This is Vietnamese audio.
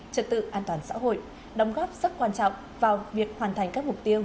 trật tự an toàn xã hội đóng góp rất quan trọng vào việc hoàn thành các mục tiêu